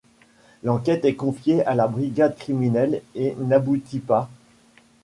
L'enquête est confiée à la brigade criminelle et n'aboutit pas.